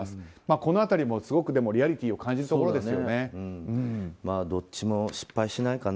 この辺りもすごくリアリティーをまあ、どっちも失敗しないかな。